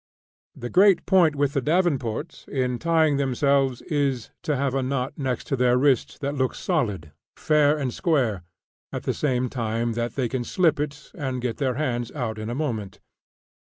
The great point with the Davenports in tying themselves is, to have a knot next their wrists that looks solid, "fair and square," at the same time that they can slip it and get their hands out in a moment.